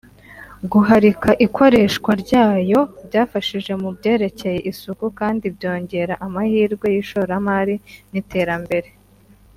Guharika ikoreshwa ryayo byafashije mu byerekeye isuku kandi byongera amahirwe y’ishoramari n’iterambere